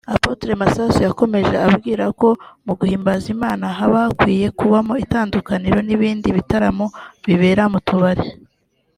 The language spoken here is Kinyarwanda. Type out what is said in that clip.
Apotre Masasu yakomeje ababwira ko mu guhimbaza Imana haba hakwiye kubamo itandukaniro n'ibindi bitaramo bibera mu tubari